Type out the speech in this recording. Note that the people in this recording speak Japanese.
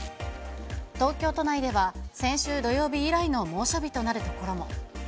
東京都内では、先週土曜日以来の猛暑日となる所も。